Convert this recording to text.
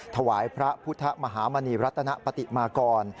ถวายพระพุทธมหามณีรัตนปฏิมากร